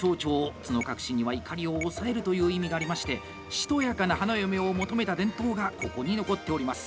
角隠しには怒りを抑えるという意味がありましてしとやかな花嫁を求めた伝統がここに残っております。